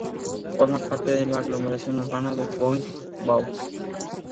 Forma parte de la aglomeración urbana de Pont-de-Vaux